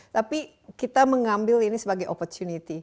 tapi kita mengambil ini sebagai opportunity